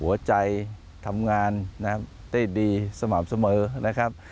หัวใจทำงานนะครับได้ดีสม่ำเสมอนะครับ